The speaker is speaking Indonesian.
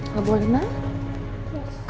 gak boleh nak